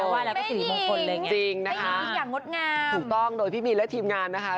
ว่าแล้วก็สีมดผลเลยไงจริงนะคะถูกต้องโดยพี่มีนและทีมงานนะคะ